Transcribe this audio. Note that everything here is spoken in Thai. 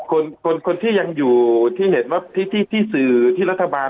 คนคนที่ยังอยู่ที่เห็นว่าที่ที่สื่อที่รัฐบาล